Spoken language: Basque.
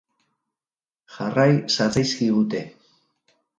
Jarrai zatzaizkigute.